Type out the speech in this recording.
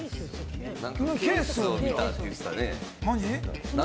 ケースを見たって言ってたね。